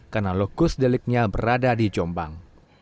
karena lokus deliknya berada di jombang